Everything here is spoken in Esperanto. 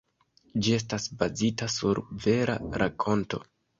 Ĝi estas bazita sur vera rakonto.